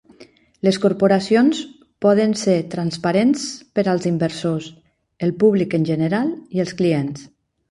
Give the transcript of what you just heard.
Les corporacions poden ser transparents per als inversors, el públic en general i els clients.